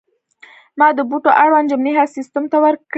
ما د بوټو اړوند جملې هم سیستم ته ورکړې.